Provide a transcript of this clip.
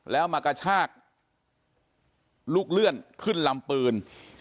แล้วมากระชากลูกเลื่อนขึ้นลำปืน